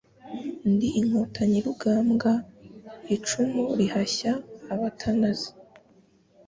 Ndi inkotanyi Rugambwa icumu rihashya abatanazi